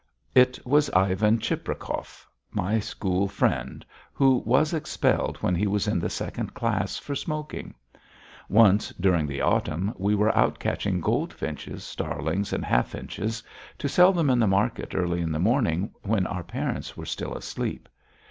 It was Ivan Cheprakov, my school friend, who was expelled, when he was in the second class, for smoking. Once, during the autumn, we were out catching goldfinches, starlings, and hawfinches, to sell them in the market early in the morning when our parents were still asleep.